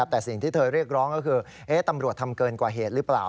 แต่สิ่งที่เธอเรียกร้องก็คือตำรวจทำเกินกว่าเหตุหรือเปล่า